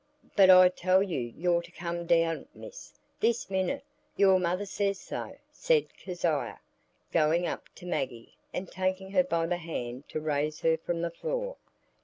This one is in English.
"But I tell you you're to come down, Miss, this minute; your mother says so," said Kezia, going up to Maggie and taking her by the hand to raise her from the floor.